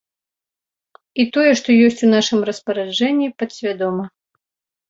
І тое, што ёсць у нашым распараджэнні падсвядома.